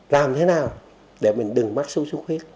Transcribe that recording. làm thế nào để mình đừng mắc sốt xuất huyết